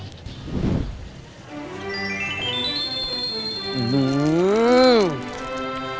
อือหืม